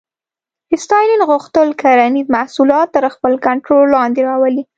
ستالین غوښتل کرنیز محصولات تر خپل کنټرول لاندې راولي.